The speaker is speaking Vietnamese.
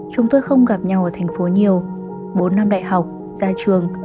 chúng tôi không gặp nhau ở thành phố nhiều bốn năm đại học ra trường